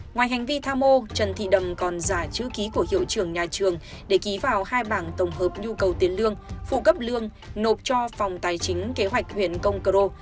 ngoài hành vi tham mô trần thị đầm còn giả chữ ký của hiệu trưởng nhà trường để ký vào hai bảng tổng hợp nhu cầu tiền lương phụ cấp lương nộp cho phòng tài chính kế hoạch huyện công cờ ro